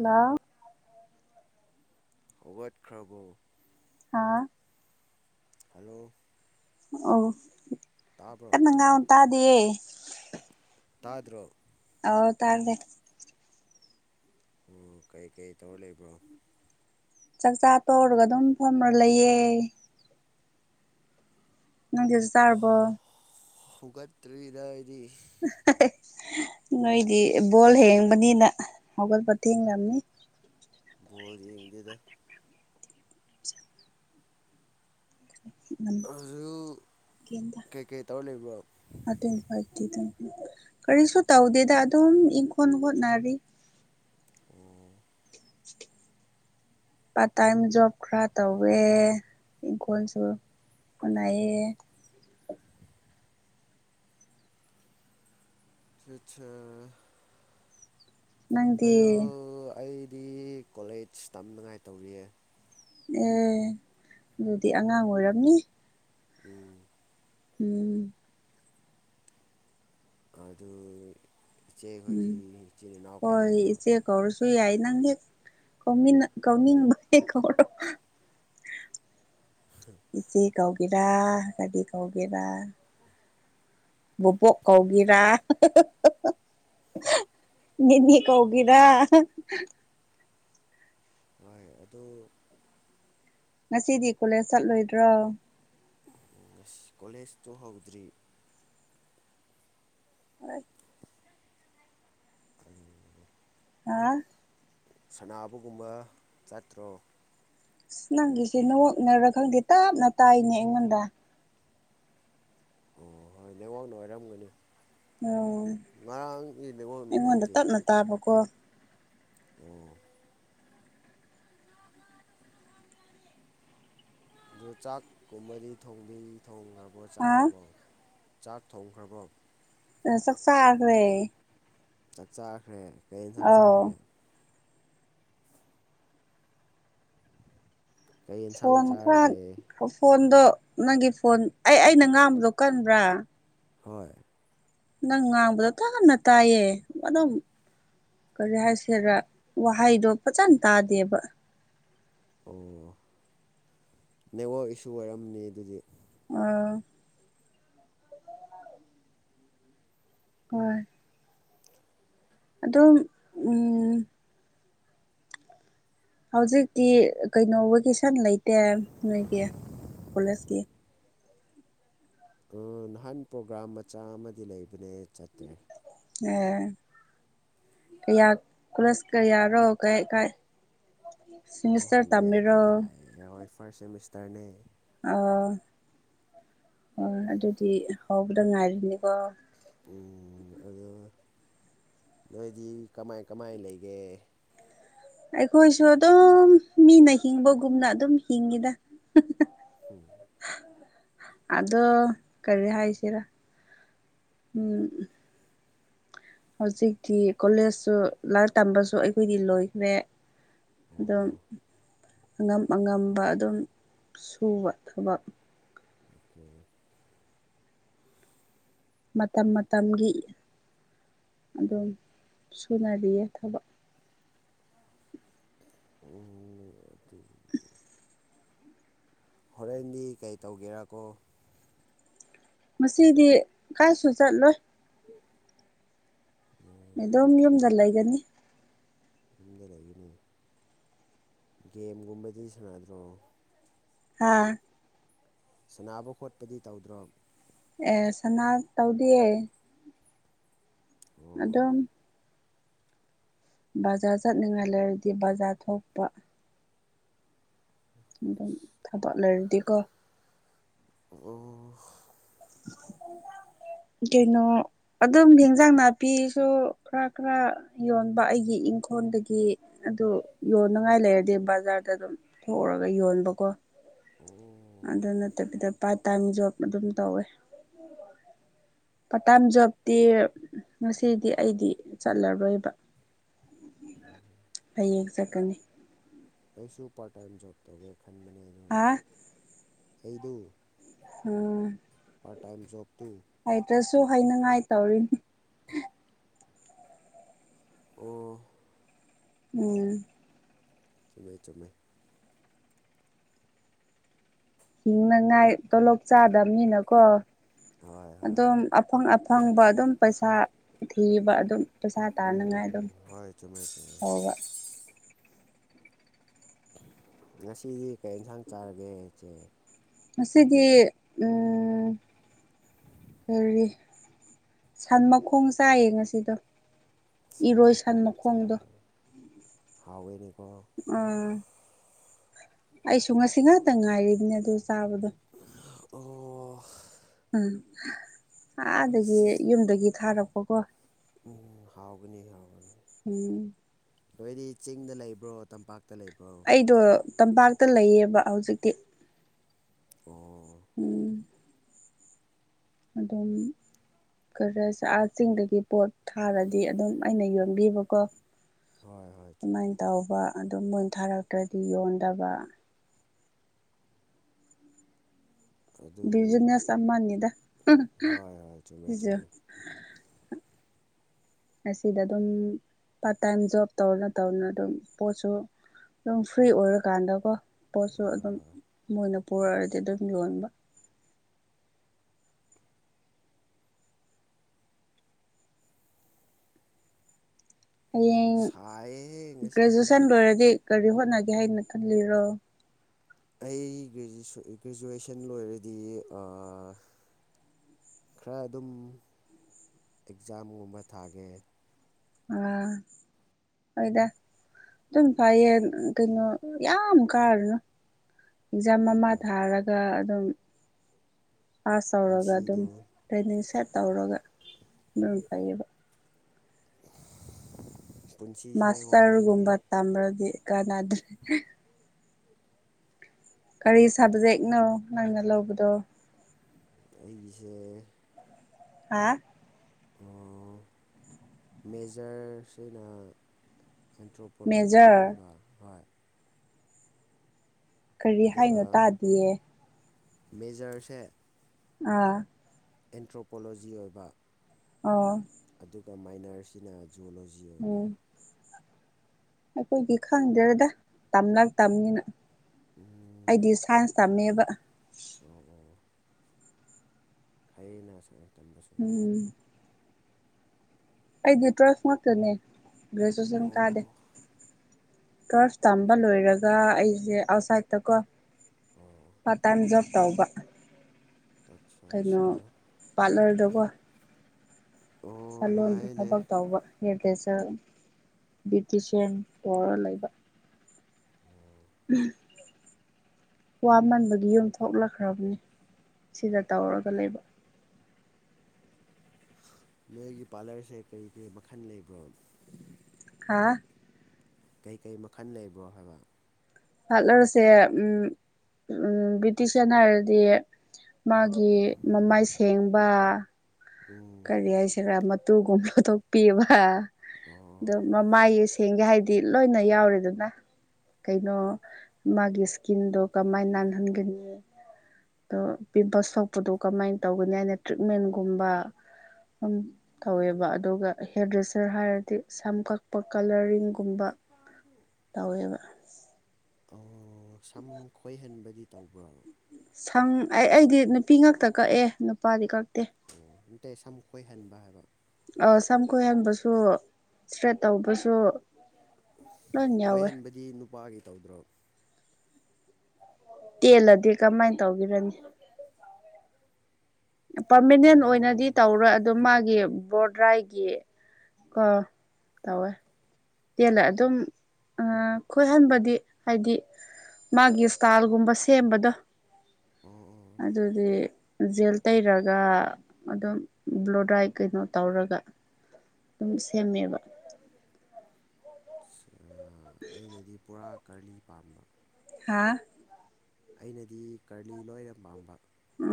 ꯑ ꯍꯧꯠꯈ꯭ꯔꯕꯣ ꯍꯥ ꯍꯜꯂꯣ ꯑꯣ ꯀ ꯇꯥꯕ꯭ꯔꯣ ꯅꯪ ꯉꯟ ꯇꯥꯗꯌꯦꯦ ꯇꯥꯗꯔꯣ ꯍ ꯇꯥꯅꯦ ꯑꯣ ꯀꯩꯀꯩ ꯇꯧꯔ ꯂꯩꯕ꯭ꯔꯣ ꯆꯥꯛꯆꯥ ꯇꯧꯔꯒ ꯑꯗꯨꯝ ꯐꯝꯃꯔ ꯂꯩꯌꯦ ꯅꯪꯗꯤꯁꯨ ꯆꯥꯔꯔꯕꯣ ꯍꯨꯒꯠꯇ꯭ꯔꯤꯗ ꯍꯥꯏꯗꯤ [inaudible] ꯅꯣꯏꯗꯤ ꯕꯣꯜ ꯍꯦꯡꯕꯅꯤꯅ ꯍꯧꯒꯠꯄꯊꯦꯡꯅꯕꯅꯤ ꯕꯔꯤ ꯏꯗꯤꯗ ꯑꯗꯨ ꯎꯋ ꯀꯩꯀꯩ ꯇꯧꯔ ꯂꯩꯕ꯭ꯔꯣ ꯐ ꯇ ꯀꯔꯤꯁꯨ ꯇꯧꯗꯦꯗ ꯑꯗꯨꯝ ꯏꯪꯈꯣ ꯍꯣꯠꯅꯔꯤ ꯎꯝ [inaudible] ꯄꯥꯔꯠ ꯇꯥꯏꯝ ꯖꯣꯕ ꯈꯔ ꯇꯧꯋꯦ ꯏꯪꯈꯣꯜꯁꯨ ꯉꯏꯌꯦ ꯑꯆꯥ ꯅꯪꯗꯤ ꯑꯣ ꯑꯩ ꯗꯤ ꯀꯣꯂꯦꯖ ꯇꯝꯅꯉꯥꯏ ꯇꯧꯔꯤꯌꯦ ꯑꯦ ꯑꯗꯨꯗꯤ ꯑꯉꯥꯡ ꯑꯣꯏꯔꯝꯅꯤ ꯎꯝ ꯎꯝ ꯑꯗꯨ ꯎꯝ ꯏꯆꯦꯈꯣꯏꯗꯤ ꯏꯆꯤꯜ ꯏꯅꯥꯎ ꯀꯌꯥ ꯍꯣꯏ ꯂꯩꯕꯣ ꯏꯆꯦ ꯀꯧꯔꯁꯨ ꯌꯥꯏ ꯅꯪꯒꯤ ꯀꯧ ꯀꯧꯅꯤꯡꯕꯅꯦ ꯀꯧꯔꯣ ꯏꯆꯦ ꯀꯧꯒꯦꯔꯥ ꯀꯒꯥꯗꯤ ꯀꯧꯒꯦꯔꯥ ꯕꯣꯕꯣꯛ ꯀꯧꯒꯤꯔꯥ ꯎꯝ ꯌꯦꯟꯅꯀ ꯍꯒꯗ ꯍꯣꯏ ꯑꯗꯨ ꯉꯁꯤꯗꯤ ꯀꯣꯂꯦꯖ ꯆꯠꯂꯣꯏꯗ꯭ꯔꯣ ꯀꯣꯂꯦꯖꯇꯣ ꯍꯧꯗ꯭ꯔꯤ ꯑꯣꯏ ꯑ ꯁꯅꯕꯒꯨꯝꯕ ꯆꯠꯇ꯭ꯔꯣ ꯑ ꯅꯪꯒꯤꯁꯦ ꯅꯋꯛꯅꯔꯥ ꯈꯪꯗꯦ ꯇꯞꯅ ꯇꯥꯏꯅꯦ ꯑꯩꯉꯣꯟꯗ ꯑꯣ ꯍꯣꯏ ꯅꯉꯥꯛꯅ ꯑꯣꯏꯔꯝꯒꯅꯤ ꯑꯣ ꯉꯔꯥꯡꯒꯤ ꯅꯦꯠꯋꯥꯛ ꯑꯩꯉꯣꯟꯗ ꯇꯞꯅ ꯇꯥꯕꯀꯣ ꯎꯝ ꯑꯗꯨ ꯆꯥꯛ ꯀꯨꯝꯃꯔꯤ ꯊꯣꯡꯕꯤ ꯊꯣꯡꯈ꯭ꯔꯕꯣ ꯍꯥ ꯆꯥꯈ꯭ꯔꯕꯣ ꯆꯥꯛ ꯊꯣꯡꯈ꯭ꯔꯕ ꯑ ꯁꯛꯁꯥꯒ꯭ꯔꯦ ꯆꯥꯛ ꯆꯥꯈ꯭ꯔꯦ ꯀꯩ ꯌꯦꯟꯁꯥꯡ ꯆꯥꯔꯒꯦ ꯀꯩ ꯌꯦꯟꯁꯥꯡ ꯐꯣꯟ ꯈ ꯆꯥꯔꯒꯦ ꯐꯣꯟ ꯑꯗꯣ ꯅꯪꯒꯤ ꯐꯣꯟ ꯑꯩ ꯑꯩꯅ ꯉꯥꯡꯕꯗꯣ ꯀꯟꯕ꯭ꯔꯥ ꯍꯣꯏ ꯅꯪ ꯉꯥꯡꯕꯗꯣ ꯇꯟꯅ ꯇꯥꯏꯌꯦ ꯑꯗꯨꯝ ꯀꯔꯤ ꯍꯥꯏꯁꯤꯔꯥ ꯋꯥꯍꯩꯗꯣ ꯐꯖꯅ ꯇꯥꯗꯦꯕ ꯑꯣ ꯅꯦꯠꯋꯔꯛ ꯏꯁꯨ ꯑꯣꯏꯔꯝꯅꯤ ꯑꯗꯨꯗꯤ ꯑ ꯍꯣꯏ ꯑꯗꯣ ꯎ ꯍꯧꯖꯤꯛꯇꯤ ꯀꯩꯅꯣ ꯀꯦꯁꯟ ꯂꯩꯇꯦ ꯅꯣꯏꯒꯤ ꯀꯂꯦꯖꯀꯤ ꯎ ꯅꯍꯥꯟ ꯄ꯭ꯔꯣꯒ꯭ꯔꯥꯝ ꯃꯆꯥ ꯑꯃꯗꯤ ꯂꯩꯕꯅꯦ ꯆꯠꯇ꯭ꯔꯦ ꯑꯦ ꯀꯌꯥ ꯀꯂꯁ ꯀꯌꯥꯔꯣ ꯀꯌꯥꯥꯏ ꯑꯗꯨ ꯁꯤꯁꯔ ꯍꯪꯕ ꯌꯥꯗꯦ ꯇꯝꯔꯣ ꯍꯥꯏ ꯍꯣꯏ ꯐꯥꯔꯁ ꯁꯦꯃꯤꯁꯇꯔꯅꯦ ꯑ ꯑꯣ ꯑꯗꯨꯗꯤ ꯍꯧꯕꯗ ꯉꯥꯏꯔꯤꯅꯤꯀꯣ ꯎꯝ ꯑꯗꯨ ꯅꯣꯏꯗꯤ ꯀꯃꯥꯏ ꯀꯃꯥꯏ ꯂꯩꯒꯦ ꯑꯩꯈꯣꯏꯁꯨ ꯑꯗꯨꯝ ꯃꯤꯅ ꯍꯤꯡꯕꯒꯨꯝꯅ ꯑꯗꯨꯝ ꯍꯤꯡꯉꯤꯗ ꯎꯝ ꯑꯗꯣ ꯀꯔꯤ ꯍꯥꯏꯁꯤꯔꯥ ꯎꯝ ꯍꯧꯖꯤꯛꯇꯤ ꯀꯣꯂꯦꯖꯁꯨ ꯂꯥꯏꯔꯤꯛ ꯇꯝꯕꯁꯨ ꯑꯩꯈꯣꯏꯗꯤ ꯂꯣꯏꯈ꯭ꯔꯦ ꯑꯗꯣ ꯑꯣ ꯑꯉꯝ ꯑꯉꯝꯕ ꯑꯗꯨꯝ ꯁꯨꯕ ꯊꯕꯛ ꯑꯣꯀꯦ ꯃꯇꯝ ꯃꯇꯝ ꯃꯇꯝꯒꯤ ꯑꯗꯨꯝ ꯁꯨꯅꯔꯤꯌꯦ ꯊꯕꯛ ꯑꯣꯀꯦ ꯍꯣꯔꯦꯟꯗꯤ ꯀꯩ ꯇꯧꯒꯦꯔꯥꯀꯣ ꯃꯁꯤꯗꯤ ꯀꯥꯏꯁꯨ ꯆꯠꯂꯣꯏ ꯑꯗꯨꯝ ꯌꯨꯝꯗ ꯂꯩꯒꯅꯤ ꯌꯨꯝꯗ ꯂꯩꯒꯅꯤ ꯒꯦꯝꯒꯨꯝꯕꯗꯤ ꯁꯥꯟꯅꯗ꯭ꯔꯣ ꯍꯥꯥ ꯁꯨꯅꯕ ꯈꯣꯠꯄꯗꯤ ꯇꯧꯗ꯭ꯔꯣ ꯑꯦ ꯁꯅꯥ ꯇꯧꯗꯤꯌꯦ ꯑꯗꯣ ꯑꯣ ꯕꯖꯥꯔ ꯆꯠꯅꯤꯡꯉꯥꯏ ꯂꯩꯔꯗꯤ ꯕꯖꯥꯔ ꯊꯣꯛꯄ ꯑ ꯊꯥꯄꯂꯔꯗꯤꯀꯣ ꯑꯣ [inaudible] ꯀꯩꯅꯣ ꯑꯗꯨꯝ ꯌꯦꯟꯖꯥꯡ ꯅꯥꯄꯤꯁꯨ ꯈꯔ ꯈꯔ ꯌꯣꯟꯕ ꯑꯩꯒꯤ ꯏꯪꯈꯣꯜꯗꯒꯤ ꯑꯗꯨ ꯌꯣꯟꯅꯉꯥꯏ ꯂꯩꯔꯗꯤ ꯕꯖꯥꯔꯗ ꯑꯗꯨꯝ ꯊꯣꯛꯎꯔꯒ ꯌꯣꯟꯕꯀꯣ ꯑꯣ ꯑꯗꯨ ꯅꯠꯇꯕꯤꯗ ꯄꯥꯔꯠ ꯇꯥꯏꯝ ꯖꯣꯕ ꯑꯗꯨꯝ ꯇꯧꯋꯦ ꯄꯇꯥꯝ ꯖꯣꯕꯇꯤ ꯉꯁꯤꯗꯤ ꯑꯩꯗꯤ ꯆꯠꯂꯔꯣꯏꯕ [unintelligible] ꯐꯩ ꯆꯀꯅꯤ ꯑꯩꯁꯨ ꯄꯔꯥꯏꯣꯕ ꯇꯧ ꯍꯥ ꯑꯩꯗꯨ ꯑ ꯄꯥꯔꯠ ꯇꯥꯏꯝ ꯣꯕ ꯍꯇ꯭ꯔꯁꯨ ꯍꯥꯏꯅꯉꯥꯏ ꯇꯧꯔꯤꯅꯤ ꯑꯣ ꯎꯝ ꯆꯨꯝꯃꯩ ꯆꯨꯝꯃꯩ ꯍꯤꯡꯅꯉꯥꯏ ꯇꯣꯂꯣꯞ ꯆꯥꯗꯕꯅꯤꯅꯀꯣ ꯍꯣꯏ ꯍꯣꯏ ꯑꯗꯨꯝ ꯑꯐꯪ ꯑꯐꯪꯕ ꯑꯗꯨꯝ ꯄꯩꯁꯥ ꯊꯤꯕ ꯑꯗꯨꯝ ꯄꯩꯁꯥ ꯇꯥꯅꯉꯥꯏ ꯑꯗꯨꯝ ꯎꯝ ꯍꯣꯏ ꯆꯨꯝꯃꯦ ꯆꯨꯝꯃꯦ ꯇꯧꯕ ꯉꯁꯤꯗꯤ ꯀꯩ ꯏꯟꯁꯥꯡ ꯆꯥꯔꯒꯦꯁꯦ ꯑꯁꯤꯗꯤ ꯎ ꯀꯔꯤ ꯁꯟ ꯃꯈꯣꯡ ꯆꯥꯏꯌꯦ ꯉꯁꯤꯗ ꯏꯔꯣꯏ ꯁꯟ ꯃꯈꯣꯡꯗꯣ ꯍꯥꯎꯅꯦ ꯎꯝ ꯑꯩꯁꯨ ꯉꯁꯤ ꯉꯥꯛꯇ ꯉꯥꯏꯔꯤꯕꯅꯦ ꯑꯗꯨ ꯆꯥꯕꯗꯣ ꯑꯣ ꯎꯝ ꯑꯗꯒꯤ ꯌꯨꯝꯗꯒꯤ ꯊꯥꯔꯛꯄꯀꯣ ꯎꯝ ꯍꯥꯎꯒꯅꯤ ꯍꯥꯎꯒꯅꯤ ꯎꯝ ꯅꯣꯏꯗꯤ ꯆꯤꯡꯗ ꯂꯩꯕ꯭ꯔꯣ ꯇꯝꯄꯥꯛꯇ ꯂꯩꯕ꯭ꯔꯣ ꯑꯩꯗꯣ ꯇꯝꯄꯥꯛꯇ ꯂꯩꯌꯦꯕ ꯍꯧꯖꯤꯛꯇꯤ ꯑꯣ ꯎꯝ ꯑꯗꯨꯝ ꯈꯔ ꯆꯥꯛꯍꯥꯛꯁꯤꯡꯗꯒꯤ ꯄꯣꯠ ꯊꯥꯔꯗꯤ ꯑꯗꯨꯝ ꯑꯩꯅ ꯌꯣ ꯈꯪꯕꯤꯕꯀꯣ ꯍꯣꯏ ꯍꯣꯏ ꯆꯨꯝꯃꯦ ꯑꯗꯨꯃꯥꯏꯅ ꯇꯕ ꯑꯗꯨꯝ ꯃꯨꯟ ꯊꯥꯔꯛꯇ꯭ꯔꯗꯤ ꯌꯣꯟꯗꯕ ꯑꯗꯨ ꯕꯤꯖꯤꯅꯦꯁ ꯑꯃ ꯃꯅꯤꯗ ꯍꯣꯏ ꯍꯣꯏ ꯆꯨꯝꯃꯦ ꯁꯤꯁꯨ ꯎ ꯆꯨꯝꯃꯦ ꯑꯁꯤꯗ ꯑꯗꯨꯝ ꯄꯥꯔꯠ ꯇꯥꯏꯝ ꯖꯣꯕ ꯇꯧꯔꯅ ꯇꯧꯅ ꯑꯗꯨꯝ ꯄꯣꯠꯁꯨ ꯑꯗꯨꯝ ꯐ꯭ꯔꯤ ꯑꯣꯏꯔꯀꯥꯟꯗꯀꯣ ꯄꯣꯠꯁꯨ ꯍꯣꯏ ꯑꯗꯨꯝ ꯍꯣꯏ ꯃꯣꯏꯅ ꯄꯨꯔꯛꯑꯗꯤ ꯑꯗꯨꯝ ꯌꯣꯟꯕ ꯍꯌꯦꯡ ꯁꯥꯏꯍꯦ ꯉꯁꯤꯁꯦ ꯒ꯭ꯔꯦꯖꯨꯑꯦꯁꯟ ꯂꯣꯏꯔꯗꯤ ꯀꯔꯤ ꯍꯣꯠꯅꯒꯦ ꯍꯥꯏꯅ ꯈꯜꯂꯤꯔꯣ ꯑꯩ ꯒ꯭ꯔꯦꯖꯨꯋꯦꯁꯟ ꯂꯣꯏꯔꯗꯤ ꯈꯔ ꯑꯗꯨꯝ ꯑꯦꯛꯖꯥꯝꯒꯨꯝꯕ ꯊꯥꯒꯦ ꯑ ꯍꯣꯏꯗ ꯑꯗꯨꯝ ꯐꯩꯌꯦ ꯀꯩꯅꯣ ꯌꯥꯝ ꯀꯥꯔꯨꯅꯨ ꯑꯦꯛꯖꯥꯝ ꯑꯃ ꯍꯣꯏ ꯊꯥꯔꯒ ꯑꯗꯨꯝ ꯄꯥꯁ ꯇꯧꯔꯒ ꯑꯗꯨꯝ ꯄꯨꯟꯁꯤꯗꯨ ꯇ꯭ꯔꯦꯅꯤꯡ ꯁꯦꯠ ꯇꯧꯔꯒ ꯑꯗꯨꯝ ꯐꯩꯌꯦꯕ ꯄꯨꯟꯁꯤꯁꯦ ꯋꯥꯏꯅꯦ ꯃꯥꯁꯇꯔꯒꯨꯝꯕ ꯇꯝꯕ꯭ꯔꯣꯗꯤ ꯀꯅꯗ꯭ꯔꯦ ꯀꯔꯤ ꯁꯕꯖꯦꯛꯅꯣ ꯅꯪꯅ ꯂꯧꯕꯗꯣ ꯑꯩꯒꯤꯁꯦ ꯍꯥ ꯃꯦꯖꯔꯁꯤꯅ ꯑꯦꯟꯊ꯭ꯔꯣꯄꯣꯂꯣꯖꯤ ꯃꯦꯖꯔ ꯑꯣꯏꯕ ꯍꯣꯏ ꯀꯔꯤ ꯑꯗꯨꯒ ꯍꯥꯏꯅꯣ ꯇꯥꯗꯤꯌꯦ ꯃꯦꯖꯔꯁꯦ ꯑꯥ ꯑꯦꯟꯊ꯭ꯔꯣꯄꯣꯂꯣꯖꯤ ꯑꯣꯏꯕ ꯑꯣ ꯑꯗꯨꯒ ꯃꯥꯏꯅꯔꯁꯤꯅ ꯖꯨꯑꯣꯂꯣꯖꯤ ꯑꯣꯏꯕ ꯎꯝ ꯑꯩꯈꯣꯏꯗꯤ ꯈꯪꯗꯦꯗ ꯇꯝꯂ ꯇꯝꯅꯤꯅ ꯑꯩꯗꯤ ꯁꯥꯏꯟꯁ ꯇꯝꯕ ꯑꯗ ꯐꯅꯁꯔ ꯎꯝ ꯑꯩꯗꯤ ꯇꯨꯋꯦꯜꯐ ꯉꯛꯇꯅꯦ ꯒ꯭ꯔꯦꯖꯨꯑꯦꯁꯟ ꯀꯥꯗꯦ ꯑꯣ ꯀꯔꯁ ꯇꯝꯕ ꯑꯣ ꯂꯣꯏꯔꯒ ꯑꯩꯁꯦ ꯑꯥꯎꯠꯁꯥꯏꯠꯇꯀꯣ ꯑꯣ ꯄꯥꯔꯠ ꯇꯥꯏꯝ ꯖꯣꯕ ꯇꯧꯕ ꯑꯠꯆꯥ ꯀꯩꯅꯣ ꯑꯠꯆꯥ ꯄꯥꯔꯠꯅꯔꯗꯀꯣ ꯁ ꯑꯣ ꯂꯂꯣꯟꯗꯨ ꯅꯨꯡꯉꯥꯏꯅꯦ ꯊꯕꯛ ꯇꯧꯕ ꯔꯗꯁ ꯕ꯭ꯌꯨꯇꯁꯤꯌꯥꯟ ꯇꯧꯔ ꯂꯩꯕ ꯎꯝ ꯋꯥꯃꯟꯕꯒꯤ ꯌꯨꯝ ꯊꯣꯛꯂꯛꯈ꯭ꯔꯕꯅꯤ ꯁꯤꯗ ꯇꯧꯔꯒ ꯂꯩꯕ ꯅꯣꯏꯒꯤ ꯄꯥꯔꯂꯔꯁꯦ ꯀꯔꯤ ꯀꯔꯤ ꯃꯈꯜ ꯂꯩꯕ꯭ꯔꯣ ꯍꯥ ꯀꯩꯀꯔꯤ ꯃꯈꯜ ꯂꯩꯕ꯭ꯔꯣ ꯍꯥꯏꯕ ꯍꯥꯠꯂꯨꯔꯁꯦ ꯎꯝ ꯎ ꯕ꯭ꯔꯤꯇꯤꯁꯅ ꯍꯥꯏꯔꯗꯤ ꯃꯥꯒꯤ ꯃꯃꯥꯏ ꯁꯦꯡꯕ ꯎꯝ ꯀꯔꯤ ꯍꯥꯏꯁꯤꯔꯥ ꯃꯇꯨꯒꯨꯝꯕ ꯂꯧꯊꯣꯛꯄꯤꯕ ꯑꯣ ꯑ ꯃꯃꯥꯏ ꯊꯦꯡꯒꯦ ꯍꯥꯏꯗꯤ ꯂꯣꯏꯅ ꯌꯥꯎꯔꯦꯗꯅ ꯀꯩꯅꯣ ꯃꯥꯒꯤ ꯏꯁꯀꯤꯟꯗꯣ ꯀꯃꯥꯏꯅ ꯅꯥꯟꯍꯟꯒꯅꯤ ꯑꯗꯣ ꯄꯤꯝꯄꯜꯁ ꯊꯣꯛꯄꯗꯣ ꯀꯃꯥꯏꯅ ꯇꯧꯒꯅꯤ ꯍꯥꯏꯅ ꯇ꯭ꯔꯤꯠꯃꯦꯟꯒꯨꯝꯕ ꯝ ꯇꯧꯋꯦꯕ ꯑꯗꯨꯒ ꯍꯦꯌꯔ ꯗ꯭ꯔꯦꯁꯔ ꯍꯥꯏꯔꯗꯤ ꯁꯝ ꯀꯛꯄ ꯀꯂꯔꯤꯡꯒꯨꯝꯕ ꯇꯧꯋꯦꯕ ꯑꯣ ꯁꯝ ꯈꯣꯏꯍꯟꯕꯗꯤ ꯇꯧꯕ꯭ꯔꯣ ꯁꯪ ꯑꯩ ꯑꯩꯗꯤ ꯅꯨꯄꯤ ꯉꯥꯛꯇ ꯀꯛꯑꯦ ꯅꯨꯄꯥꯗꯤ ꯀꯛ ꯑꯣ ꯅꯠꯇꯦ ꯁꯝꯨ ꯈꯣꯏꯍꯟꯕ ꯍꯥꯏꯕ ꯁꯝ ꯀꯣꯏꯍꯟꯕꯁꯨ ꯏꯁꯇ꯭ꯔꯦꯠ ꯇꯧꯕꯁꯨ ꯂꯣꯏ ꯌꯥꯎꯋꯦ ꯈꯣꯏꯍꯟꯕꯗꯤ ꯅꯨꯄꯥꯒꯤ ꯇꯧꯗ꯭ꯔꯣ ꯇꯦꯜꯂꯗꯤ ꯀꯃꯥꯏꯅ ꯇꯧꯔꯅꯤ ꯄꯔꯃꯅꯦꯟ ꯑꯣꯏꯅꯗꯤ ꯎꯝ ꯇꯧꯔꯣꯏ ꯑꯗꯨ ꯃꯥꯒꯤ ꯒꯤ ꯕꯣꯔꯗ꯭ꯔꯥꯏꯒꯤ ꯑ ꯇꯧꯋꯦ ꯇꯦꯜꯂꯦ ꯑꯗꯨꯝ ꯈꯣꯏꯍꯟꯕꯗꯤ ꯍꯥꯏꯗꯤ ꯃꯥꯒꯤ ꯏꯁꯇꯥꯏꯜꯒꯨꯝꯕ ꯁꯦꯝꯕꯗꯣ ꯑꯣ ꯑꯣ ꯑꯗꯨꯗꯤ ꯖꯦꯜ ꯇꯩꯔꯒ ꯑꯗꯨꯝ ꯕ꯭ꯂꯣꯗꯥꯥꯏ ꯀꯩꯅꯣ ꯇꯧꯔꯒ ꯑꯗꯨꯝ ꯁꯦꯝꯃꯦꯕ ꯑꯩꯅꯗꯤ ꯄꯨꯔꯥ ꯀꯔꯂꯤ ꯄꯥꯝꯕ ꯍꯥ ꯑꯩꯅꯗꯤ ꯀꯔꯂꯤ ꯂꯣꯏꯅ ꯄꯥꯝꯕ ꯑ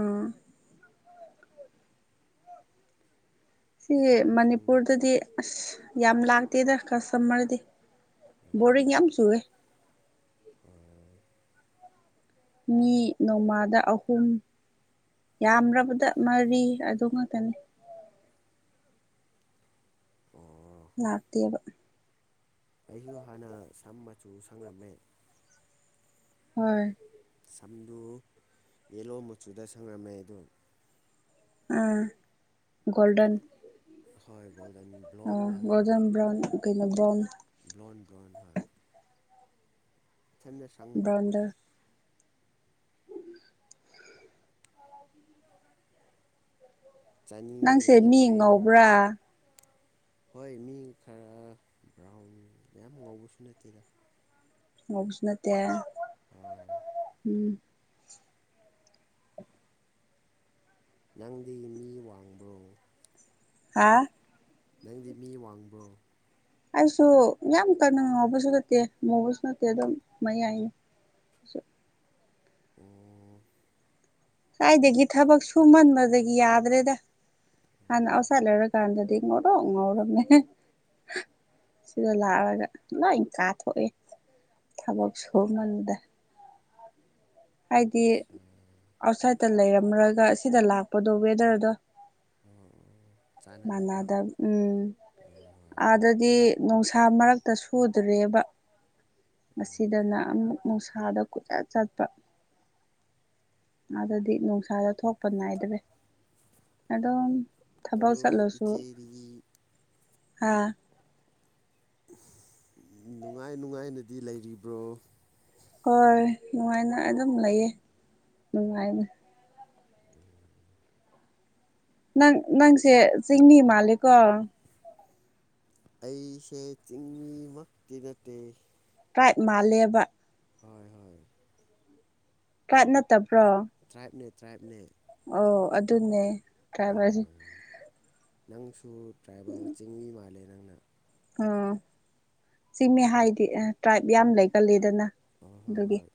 ꯁꯤ ꯁꯝꯁꯨ ꯃꯅꯤꯄꯨꯔꯗꯗꯤ ꯑꯁ ꯌꯥꯝ ꯂꯥꯛꯇꯦꯗ ꯀꯁꯇꯃꯔꯗꯤ ꯕꯣꯔꯤꯡ ꯌꯥꯝ ꯆꯨꯑꯦ ꯑ ꯃꯤ ꯅꯣꯡꯃꯥꯗ ꯑꯍꯨꯝ ꯌꯥꯝ꯭ꯔꯕꯗ ꯃꯔꯤ ꯑꯗꯨ ꯉꯥꯛꯛꯇꯅꯤ ꯑꯣ ꯂꯥꯛꯇꯦꯕ ꯑꯩꯁꯨ ꯍꯥꯟꯅ ꯁꯝ ꯃꯆꯨ ꯁꯪꯂꯝꯝꯃꯦ ꯍꯣꯏ ꯁꯝꯗꯨ ꯌꯦꯂꯣ ꯃꯆꯨꯗ ꯁꯪꯉꯝꯃꯦ ꯑꯗꯨ ꯑꯝ ꯒꯣꯜꯗꯟ ꯍꯣꯏ ꯣꯜꯗꯟ ꯕ꯭ꯂꯣꯟꯗ ꯍꯥꯏꯕꯣ ꯀꯩꯅꯣꯗ ꯭ꯂꯣꯟ ꯭ꯂꯣꯟ ꯍꯣꯏ ꯆꯅ ꯁꯪꯕ ꯕ꯭ꯔꯥꯎꯟꯗ ꯑꯣꯐ ꯅꯪꯁꯦ ꯆꯅꯤꯒ ꯃꯤ ꯌꯥꯡꯈꯩ ꯂꯧꯋꯦ ꯉꯕ꯭ꯔꯥ ꯍꯣꯏ ꯃꯤ ꯈꯔ ꯕ꯭ꯔꯥꯎꯟ ꯌꯥꯝ ꯉꯧꯕꯁꯨ ꯅꯠꯇꯦꯗ ꯑꯣ ꯁꯅ ꯇ ꯍꯣꯏ ꯎꯝ ꯅꯪꯗꯤ ꯃꯤ ꯋꯥꯡꯕꯣ ꯍꯥ ꯅꯪꯗꯤ ꯃꯤ ꯋꯥꯡꯕ꯭ꯔꯣ ꯑꯩꯁꯨ ꯌꯥꯝ ꯀꯟꯅ ꯉꯥꯎꯕꯁꯨ ꯅꯠꯇꯦ ꯉꯨꯕꯁꯨ ꯅꯠꯇꯦ ꯑꯗꯨꯝ ꯃꯌꯥꯏꯅꯤ ꯑ ꯑꯣ ꯁꯋꯥꯏꯗꯒꯤ ꯊꯕꯛ ꯁꯨꯃꯟꯕꯗꯒꯤ ꯌꯥꯗ꯭ꯔꯦꯗ ꯑꯁꯂꯔ ꯀꯥꯟꯗꯗꯤ ꯏꯉꯣꯔꯣ ꯑꯉꯣꯔꯃꯦ ꯁꯤꯗ ꯂꯥꯛꯑꯒ ꯂꯣꯏ ꯀꯥꯊꯣꯛꯑꯦ ꯊꯕꯛ ꯁꯨ ꯃꯇꯝꯗ ꯍꯥꯏꯗꯤꯗꯤ ꯑꯠꯆꯥ ꯑꯥꯎꯠꯁꯥꯏꯗꯠꯇ ꯂꯩꯔꯝꯂꯒ ꯑꯁꯤꯗ ꯂꯥꯛꯄꯗꯣ ꯋꯦꯗꯔꯗꯣ ꯆꯥꯟꯅꯗꯕ ꯃꯅꯥꯗ ꯎꯝ ꯍꯣꯏ ꯍꯣꯏ ꯍꯣꯏ ꯑꯗꯗꯤ ꯅꯨꯡꯁꯥ ꯃꯔꯛꯇ ꯁꯨꯗ꯭ꯔꯦꯕ ꯑꯁꯤꯗꯅ ꯑꯃꯨꯛ ꯅꯨꯡꯁꯥꯗ ꯀꯆꯠ ꯆꯠꯄ [unintelligible] ꯑꯗꯨꯗꯤ ꯅꯨꯡꯁꯥꯗ ꯊꯣꯛꯄ ꯅꯥꯏꯗ꯭ꯔꯦ ꯑꯝ ꯊꯕꯛ ꯑꯗꯨ ꯆꯠꯂꯁꯨ ꯏꯆꯦꯗꯤ ꯍꯥ ꯅꯨꯡꯉꯥꯏ ꯅꯨꯡꯉꯥꯏꯅꯗꯤ ꯂꯩꯔꯤꯕ꯭ꯔꯣ ꯍꯣꯏ ꯅꯨꯡꯉꯥꯏꯅ ꯑꯗꯨꯝ ꯂꯩꯌꯦ ꯅꯨꯡꯉꯥꯏꯅ ꯅꯪ ꯅꯪꯁꯦ ꯆꯤꯡꯅꯤ ꯃꯥꯜꯂꯦꯀꯣ ꯑꯩꯁꯦ ꯆꯤꯡꯃꯤꯃꯛꯇꯤ ꯅꯠꯇꯦ ꯄ꯭ꯔꯥꯏꯞ ꯃꯥꯜꯂꯦꯕ ꯍꯣꯏ ꯍꯣꯏ ꯀꯞ ꯅꯠꯇꯕ꯭ꯔꯣ ꯇ꯭ꯔꯥꯏꯞꯅꯦ ꯇ꯭ꯔꯥꯏꯞꯅꯦ ꯑꯣ ꯑꯗꯨꯅꯦ꯭ꯔꯥꯏꯕ ꯅꯪꯁꯨ ꯗ꯭ꯔꯥꯏꯕꯔ ꯆꯤꯡꯃꯤ ꯃꯥꯂꯦꯟ ꯑꯣ ꯆꯤꯡꯃꯦ ꯍꯥꯏꯗꯤ ꯇ꯭ꯔꯥꯏꯞ ꯌꯥꯝ ꯂꯩꯒꯜꯂꯤꯗꯅ ꯍꯣꯏ ꯍꯣꯏ ꯑꯗꯨꯗꯒꯤ ꯍꯣꯏ